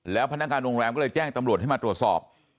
แล้วพนักงานโรงแรมก็เลยแจ้งตำรวจให้มาตรวจสอบ